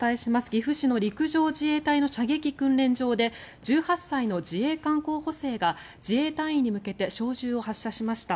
岐阜市の陸上自衛隊の射撃訓練場で１８歳の自衛官候補生が自衛隊員に向けて小銃を発射しました。